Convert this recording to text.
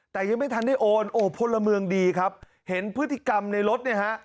แต่ยังไม่ทันได้โอนโอ้พลเมืองดีครับเห็นพฤติกรรมในรถเนี่ยฮะ